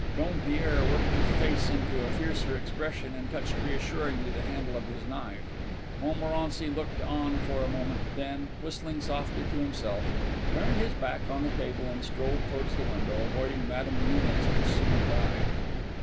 Dompierre worked his face into a fiercer expression and touched reassuringly the handle of his knife. Montmorency looked on for a moment, then, whistling softly to himself, turned his back on the table and strolled towards the window, avoiding Madame Nina's pursuant eye.